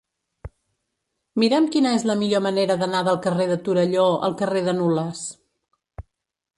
Mira'm quina és la millor manera d'anar del carrer de Torelló al carrer de Nulles.